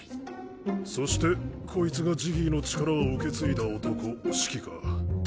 そしてこいつがジギーの力を受け継いだ男シキか。